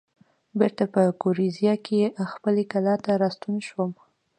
بېرته په ګوریزیا کې خپلې کلا ته راستون شوم.